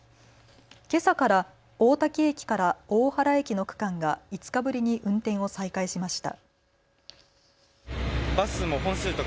けさから大多喜駅から大原駅の区間が５日ぶりに運転を再開しました。